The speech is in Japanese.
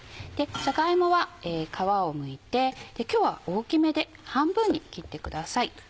じゃが芋は皮をむいて今日は大きめで半分に切ってください。